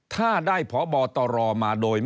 ถ้าได้พบตรมาโดย